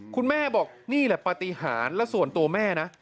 คุณแม่บอกนี่แหละปฏิหารและส่วนตัวแม่นะ